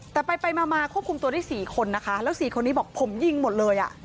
แต่ไปไปมาควบคุมตัวได้๔คนนะคะแล้ว๔คนนี้บอกผมยิงหมดเลยอ่ะ